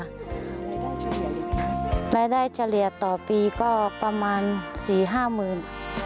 รายได้เฉลี่ยต่อปีก็ประมาณสี่ห้าหมื่น